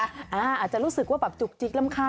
อาจจะรู้สึกว่าแบบจุกจิกล้ำคาญ